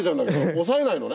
押さえないのね